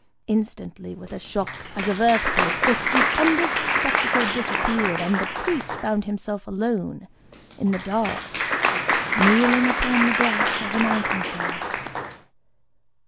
_"… Instantly with a shock as of earthquake the stupendous spectacle disappeared; and the priest found himself alone in the dark, kneeling upon the grass of the mountain side.